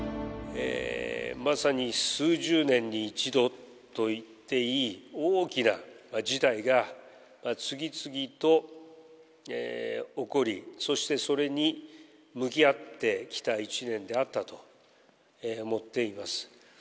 まさに数十年に一度といっていい、大きな事態が次々と起こり、そしてそれに向き合ってきた１年であったと思っています。